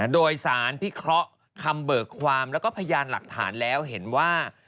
โดยสารพิเคราะห์คำเบิกความแล้วก็พยานหลักฐานแล้วเห็นว่า